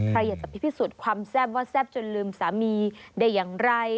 ใครอยากจะไปพิสูจน์ความแซ่บว่าแซ่บจนลืมสามีได้อย่างไร